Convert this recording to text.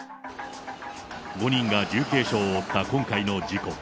５人が重軽傷を負った今回の事故。